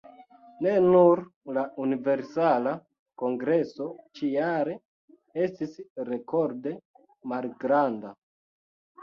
Ne nur la Universala Kongreso ĉi-jare estis rekorde malgranda.